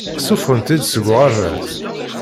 Ssufɣen-tt-id seg uɣerbaz.